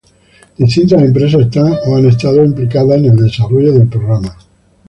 Distintas empresas están o han estado implicadas en el desarrollo del programa.